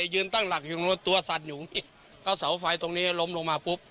ยืนตั้งหลักอยู่ตรงนู้นตัวสั่นอยู่ก็เสาไฟตรงนี้ล้มลงมาปุ๊บ